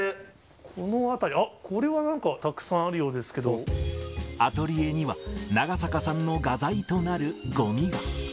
この辺り、あっ、これはなんかたアトリエには、長坂さんの画材となるごみが。